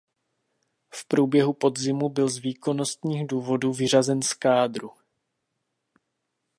V průběhu podzimu byl z výkonnostních důvodů vyřazen z kádru.